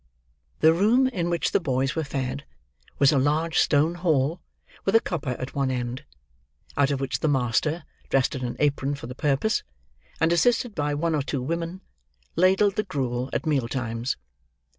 The room in which the boys were fed, was a large stone hall, with a copper at one end: out of which the master, dressed in an apron for the purpose, and assisted by one or two women, ladled the gruel at mealtimes.